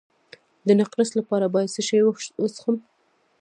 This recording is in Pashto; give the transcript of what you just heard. د نقرس لپاره باید څه شی وڅښم؟